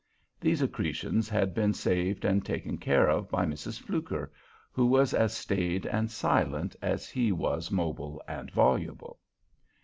These accretions had been saved and taken care of by Mrs. Fluker, who was as staid and silent as he was mobile and voluble.